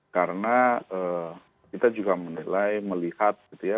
karena kita juga menilai melihat gitu ya